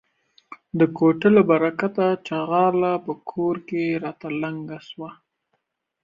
د کوټه له برکته ،چغاله په کور کې راته لنگه سوه.